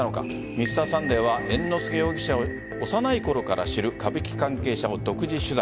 「Ｍｒ．サンデー」は猿之助容疑者を幼いころから知る歌舞伎関係者を独自取材。